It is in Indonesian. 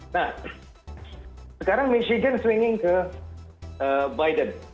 nah sekarang michign swinging ke biden